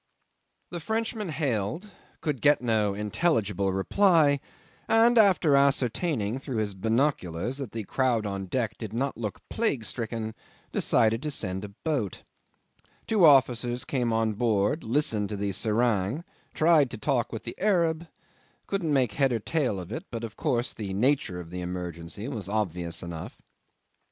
'The Frenchman hailed, could get no intelligible reply, and after ascertaining through his binoculars that the crowd on deck did not look plague stricken, decided to send a boat. Two officers came on board, listened to the serang, tried to talk with the Arab, couldn't make head or tail of it: but of course the nature of the emergency was obvious enough.